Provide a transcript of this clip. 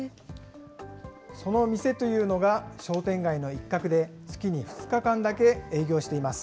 その店というのが、商店街の一角で月に２日間だけ営業しています。